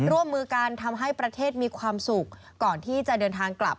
ร่วมมือกันทำให้ประเทศมีความสุขก่อนที่จะเดินทางกลับ